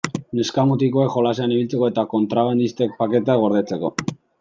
Neska-mutikoek jolasean ibiltzeko eta kontrabandistek paketeak gordetzeko.